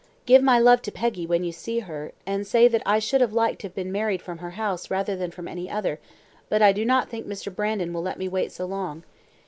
Give my love to Peggy when you see her, and say that I should have liked to have been married from her house rather than from any other, but I do not think Mr. Brandon will let me wait so long.